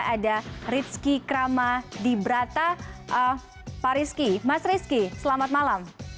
ada rizky krama di brata pak rizky mas rizky selamat malam